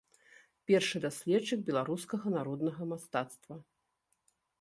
Першы даследчык беларускага народнага мастацтва.